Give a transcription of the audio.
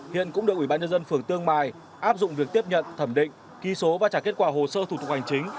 hiện cũng được ủy ban nhân dân phường tương mai áp dụng việc tiếp nhận thẩm định ký số và trả kết quả hồ sơ thủ tục hành chính